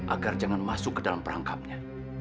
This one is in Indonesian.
agar jangan masuk ke dalam perangkapnya